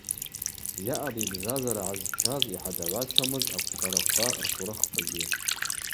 Йаъапӏ йбзазара гӏазчаз йхӏадагӏвачамыз аквшвараква ртурыхквагьи.